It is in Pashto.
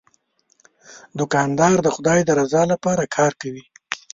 دوکاندار د خدای د رضا لپاره کار کوي.